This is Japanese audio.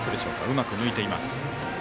うまく抜いています。